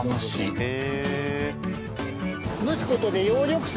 へえ！